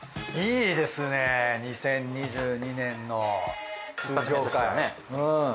いいですね２０２２年の通常回。